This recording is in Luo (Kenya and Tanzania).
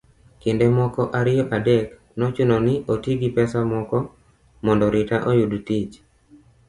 kinde moko ariyo adek nochuno ni oti gi pesa moko mondo Rita oyud tich